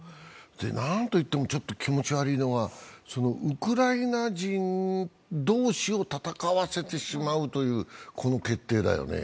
何といっても、ちょっと気持ち悪いのは、ウクライナ人同士を戦わせてしまうという、この決定だよね。